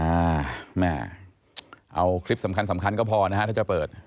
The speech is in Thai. อ่าแม่เอาคลิปสำคัญก็พอนะฮะถ้าจะเปิด